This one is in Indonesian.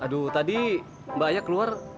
aduh tadi mbak aya keluar